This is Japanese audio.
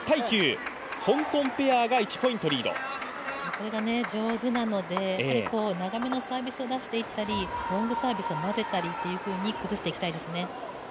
これが上手なので、長めのサービスを出していったりロングサービスを交ぜたりというふうに崩していきたいですね。